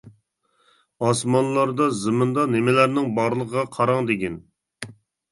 ئاسمانلاردا، زېمىندا نېمىلەرنىڭ بارلىقىغا قاراڭلار، دېگىن.